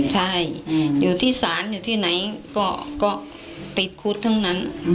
ใช่อยู่ที่ศาลอยู่ที่ไหนก็ติดคุกทั้งนั้น